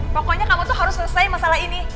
pokoknya kamu tuh harus selesai masalah ini